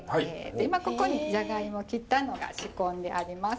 今ここにジャガイモ切ったのが仕込んであります。